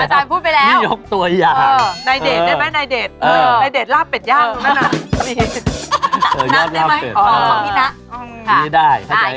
ขอคาถาอีกทีซิ